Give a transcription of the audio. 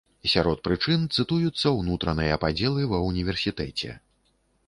Сярод прычын цытуюцца ўнутраныя падзелы ва ўніверсітэце.